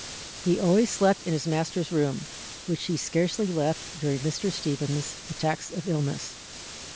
He always slept in his master's room, which he scarcely left during Mr. Stephens's attacks of illness.